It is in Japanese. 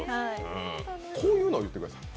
こういうのを言ってください。